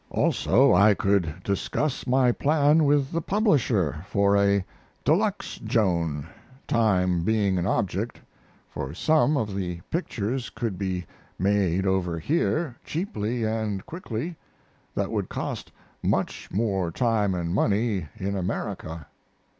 Also I could discuss my plan with the publisher for a de luxe Joan, time being an object, for some of the pictures could be made over here, cheaply and quickly, that would cost much more time and money in America.